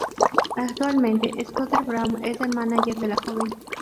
Actualmente, Scooter Braun es el mánager de la joven.